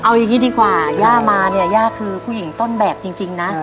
เอาอย่างนี้ดีกว่าย่ามาเนี่ยย่าคือผู้หญิงต้นแบบจริงนะ